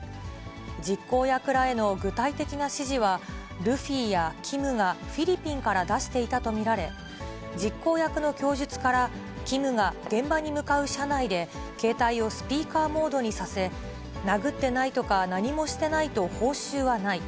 実行役らへの具体的な指示は、ルフィやキムがフィリピンから出していたと見られ、実行役の供述からキムが現場に向かう車内で携帯をスピーカーモードにさせ、殴ってないとか、何もしてないと報酬はない。